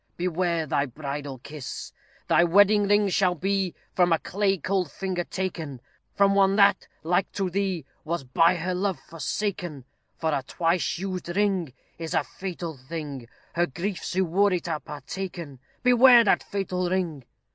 Beware thy bridal kiss! "Thy wedding ring shall be From a clay cold finger taken; From one that, like to thee, Was by her love forsaken. For a twice used ring Is a fatal thing; Her griefs who wore it are partaken , Beware that fatal ring!